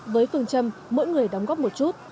với phương châm mỗi người đóng góp một chút